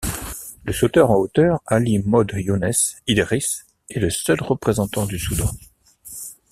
Le sauteur en hauteur Ali Mohd Younes Idriss est le seul représentant du Soudan.